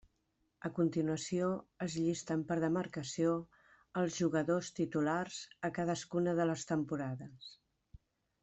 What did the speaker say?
A continuació es llisten per demarcació els jugadors titulars a cadascuna de les temporades.